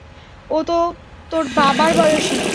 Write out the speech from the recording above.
ও তো তোর বাবার বয়সী।